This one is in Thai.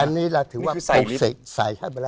อันนี้เราถือว่า๖ศิษย์ใส่ให้ไปแล้ว